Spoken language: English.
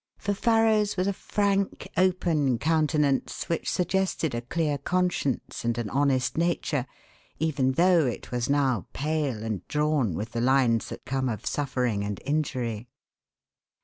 For Farrow's was a frank, open countenance which suggested a clear conscience and an honest nature, even though it was now pale and drawn with the lines that come of suffering and injury.